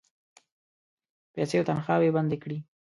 پیسې او تنخواوې بندي کړې.